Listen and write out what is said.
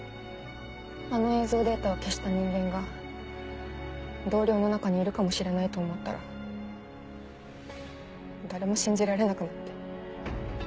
あの映像データを消した人間が同僚の中にいるかもしれないと思ったら誰も信じられなくなって。